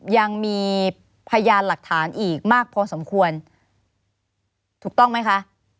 ยังมีพยานหลักฐานอีกมากพอสมควรถูกต้องไหมคะ